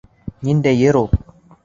Ниндәй йыр ул?